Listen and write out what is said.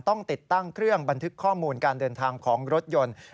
ต้องติดตั้งเครื่องบันทึกข้อมูลการเดินทางของรถยนต์